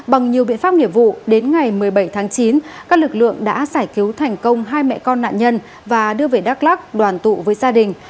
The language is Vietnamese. bằng nhiều biện pháp nghiệp vụ đến ngày một mươi bảy tháng chín các lực lượng đã giải cứu thành công hai mẹ con nạn nhân và đưa về đắk lắc đoàn tụ với gia đình